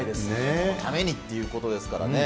そのためにっていうことですからね。